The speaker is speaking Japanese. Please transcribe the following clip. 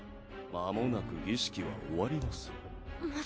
まもなく儀式は終わります。